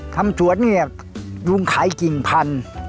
ทำสวนเนี่ยลุงขายกิ่งพันธุ์